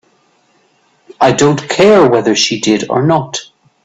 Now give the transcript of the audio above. I don't care whether she did or not.